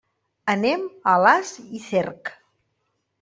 Anem a Alàs i Cerc.